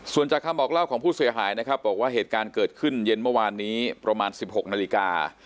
ส่วนจากคำบอกเล่าของผู้เสียหายนะครับบอกว่าเหตุการณ์เกิดขึ้นเย็นเมื่อวานนี้ประมาณ๑๖นาฬิกา